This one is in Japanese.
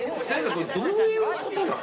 これどういうことなの？